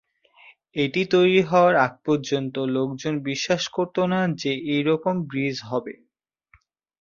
এটা তৈরি হওয়ার আগ পর্যন্ত লোকজন বিশ্বাস করত না যে এরকম ব্রিজ হবে।